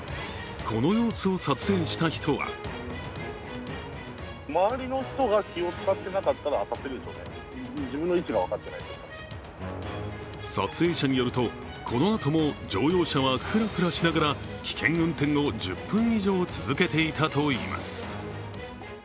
この様子を撮影した人は撮影者によると、このあとも乗用車はフラフラしながら危険運転を１０分以上続けていたといいます。